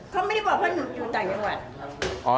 เขาไม่ได้บอกเพราะอยู่ในจังหวัด